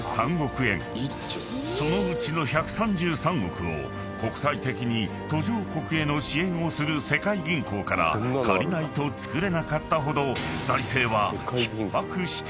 ［そのうちの１３３億を国際的に途上国への支援をする世界銀行から借りないと造れなかったほど］